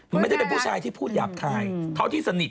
มันไม่ได้เป็นผู้ชายที่พูดหยาบคายเท่าที่สนิท